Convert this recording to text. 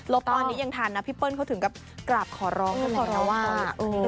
ตอนนี้ยังทันนะพี่เปิ้ลเขาถึงกับกราบขอร้องกันเลยนะว่า